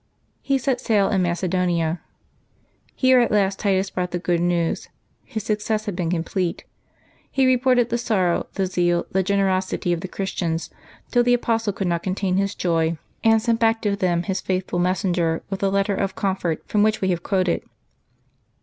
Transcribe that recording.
'' He set sail to Macedonia. Here at last Titus brought the good news. His success had been complete. He reported the sorrow, the zeal, the generosity of the Christians, till the Apostle could not contain his joy, and sent back to them his faith 26 LIVES OF TEE SAINTS. [Jantjaby 4 ful messenger with the letter of comfort from which we have quoted.